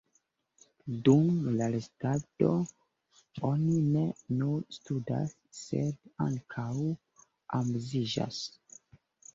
Dum la restado, oni ne nur studas, sed ankaŭ amuziĝas.